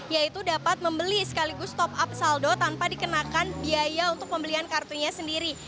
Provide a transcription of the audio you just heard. yaitu dapat membeli sekaligus top up saldo tanpa dikenakan biaya untuk pembelian kartunya sendiri